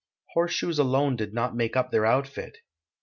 Horseshoes alone did not make up their outfit.